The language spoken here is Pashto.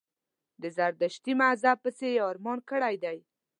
د زردشتي مذهب پسي یې ارمان کړی دی.